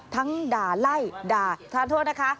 ด่าไล่ด่าทานโทษนะคะ